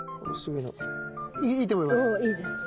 いいと思います。